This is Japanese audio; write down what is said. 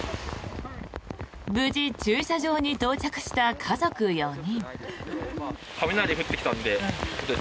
無事、駐車場に到着した家族４人。